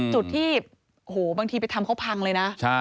จุดที่โอ้โหบางทีไปทำเขาพังเลยนะ